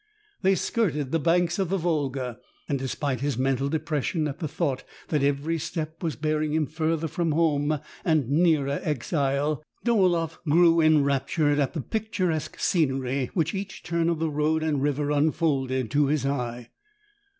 They skirted the banks of the Volga, and despite his mental depres sion at the thought that every step was bearing him further from home and nearer exile, Dolaefif grew enraptured at the picturesque scenery which each turn of the road and river unfolded to his eye.